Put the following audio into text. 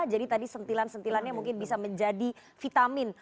jadi tadi sentilan sentilannya mungkin bisa menjadi vitamin